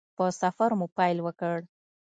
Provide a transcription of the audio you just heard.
په سفر مو پیل وکړ.